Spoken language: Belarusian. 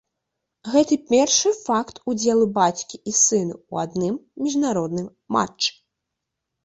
Гэта першы факт удзелу бацькі і сына ў адным міжнародным матчы.